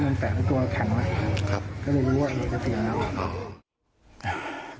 ก็เลยรู้ว่าเหลือเกษตรีมอง